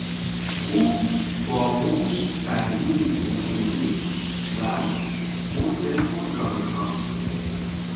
او با مشت بر میز میکوبید و مزد خود را میخواست.